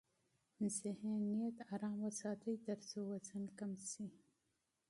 ذهنیت آرام وساتئ ترڅو وزن کم شي.